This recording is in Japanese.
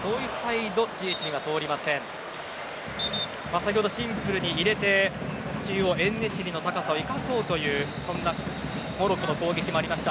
先ほどシンプルに入れて中央、エンネシリの高さを生かそうというモロッコの攻撃もありました。